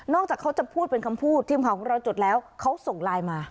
จากเขาจะพูดเป็นคำพูดทีมข่าวของเราจดแล้วเขาส่งไลน์มา